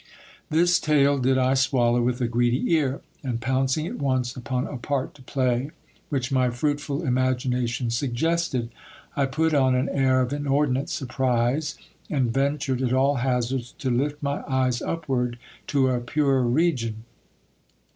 This tale did I swallow with a greedy ear ; and pouncing at once upon a part to play, which my fruitful imagination suggested, I put on an air of inordinate surprise, and ventured at all hazards to lift my eyes upward to a purer region.